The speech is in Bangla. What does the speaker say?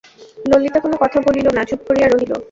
ললিতা কোনো কথা বলিল না, চুপ করিয়া রহিল।